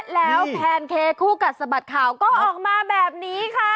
แล้วแพนเค้กคู่กัดสะบัดข่าวก็ออกมาแบบนี้ค่ะ